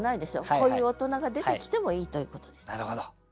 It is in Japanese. こういう大人が出てきてもいいということです。